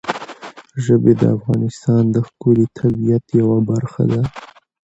ژبې د افغانستان د ښکلي طبیعت یوه برخه ده.